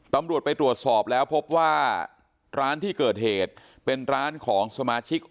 ตำรวจไปตรวจสอบแล้วพบว่าร้านที่เกิดเหตุเป็นร้านของสมาชิก